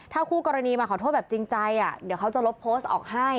ถ้าคู่กรณีมาขอโทษแบบจริงใจเดี๋ยวเขาจะลบโพสต์ออกให้